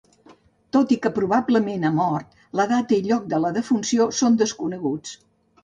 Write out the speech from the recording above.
Tot i que probablement ha mort, la data i lloc de la defunció són desconeguts.